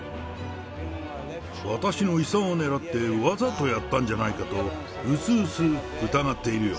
私の遺産を狙って、わざとやったんじゃないかと、薄々疑っているよ。